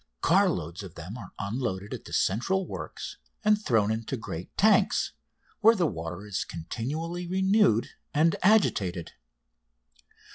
Car loads of them are unloaded at the central works and thrown into great tanks, where the water is continually renewed and agitated.